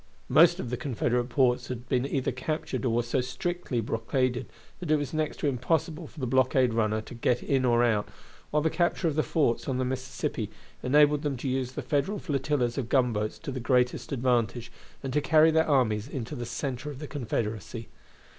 Most of the Confederate ports had been either captured or were so strictly blockaded that it was next to impossible for the blockade runner to get in or out, while the capture of the forts on the Mississippi enabled them to use the Federal flotillas of gunboats to the greatest advantage, and to carry their armies into the center of the Confederacy.